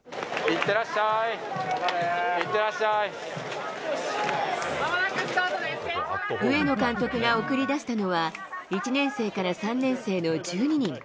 いって上野監督が送り出したのは、１年生から３年生の１２人。